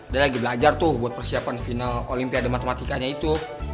dia lagi belajar tuh buat persiapan final olimpiade matematikanya itu